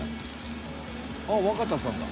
「あっ若田さんだ」